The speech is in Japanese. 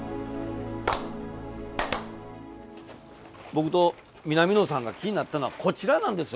僕と南野さんが気になったのはこちらなんですよ。